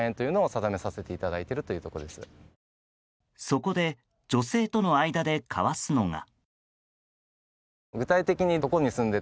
そこで女性との間で交わすのが。